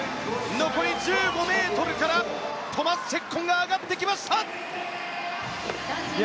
残り１５ｍからトマス・チェッコンが上がってきました！